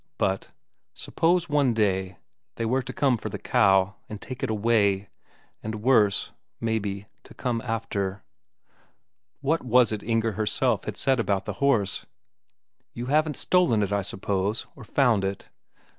But suppose one day they were to come for the cow, and take it away and worse, maybe, to come after? What was it Inger herself had said about the horse: "You haven't stolen it, I suppose, or found it?"